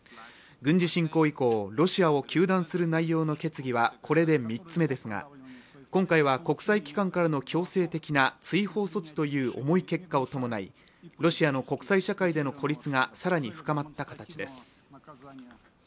軍事侵攻以降ロシアを糾弾する内容の決議はこれで３つ目ですが今回は国際機関からの強制的な追放措置という重い結果を伴いロシアの国際社会での孤立が更に深まった形です。